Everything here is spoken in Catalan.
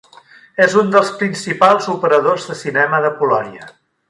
És un dels principals operadors de cinema de Polònia.